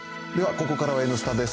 ここからは「Ｎスタ」です。